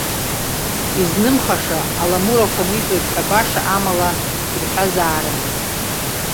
Изнымхаша аламурақәа аниҵоит ҳәа баша амала ирҳәазаарым.